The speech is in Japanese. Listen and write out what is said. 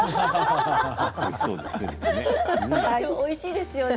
おいしいですよね。